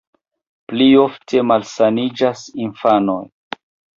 Pli ofte malsaniĝas infanoj.